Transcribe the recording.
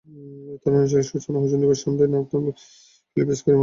তারই আনুষ্ঠানিক সূচনা হয়েছে শনিবার সন্ধ্যায় নাথান ফিলিপ স্কয়ারে আলোর মিছিলের মাধ্যমে।